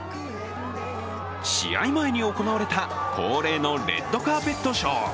試合前に行われた恒例のレッドカーペットショー。